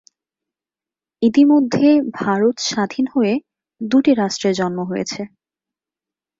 ইতিমধ্যে ভারত স্বাধীন হয়ে দুটি রাষ্ট্রের জন্ম হয়েছে।